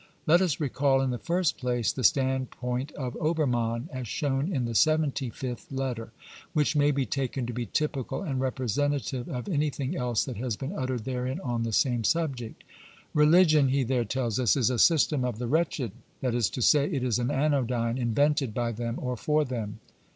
Let us recall in the first place the standpoint of Obermann, as shown in the seventy fifth )^ letter, which may be taken to be typical and representative of anything else that has been uttered therein on the same subject. " Religion," he there tells us, " is a system of the j wretched," that is to say, it is an anodyne invented by them or for them.